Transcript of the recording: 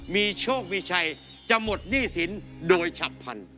มีโชคมีชัยจะหมดหนี้สินโดยฉับพันธ